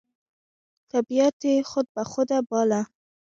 طبیعت یې خود بخوده باله،